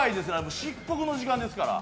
漆黒の時間ですから。